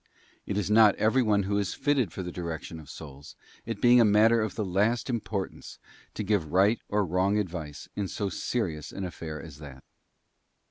It is not everyone who is fitted for the direction of souls, it being a matter of the last importance to give right or wrong advice in so serious an affair as that.